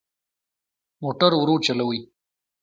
موټر ورو چلوئ